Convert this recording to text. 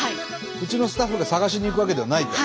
うちのスタッフが探しに行くわけではないと。